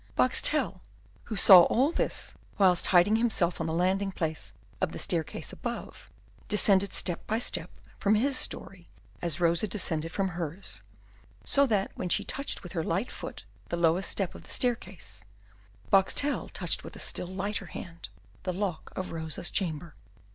Boxtel, who saw all this whilst hiding himself on the landing place of the staircase above, descended step by step from his story as Rosa descended from hers; so that, when she touched with her light foot the lowest step of the staircase, Boxtel touched with a still lighter hand the lock of Rosa's chamber.